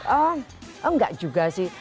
oh enggak juga sih